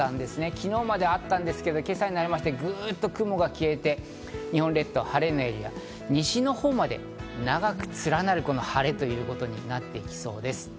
昨日まであったんですけど、今朝になりまして、グッと雲が消えて日本列島の晴れのエリア、西のほうまで長くつらなる晴れということになっていきそうです。